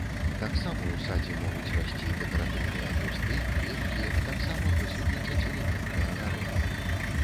Таксама ў садзе могуць расці дэкаратыўныя кусты, кветкі, а таксама прысутнічаць элементы агарода.